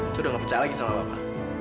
saya udah nggak percaya lagi sama papa